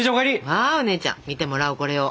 ああお姉ちゃん見てもらおうこれを。